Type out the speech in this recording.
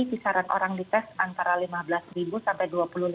setiap hari kisaran orang di tes antara lima belas sampai dua puluh lima